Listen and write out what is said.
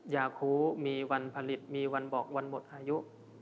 ยาคูมีวันผลิตมีวันบอกวันหมดอายุ